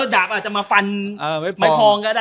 ดาบอาจจะมาฟันไม้พองก็ได้